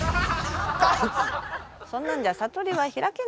そんなんじゃ悟りは開けんのじゃ。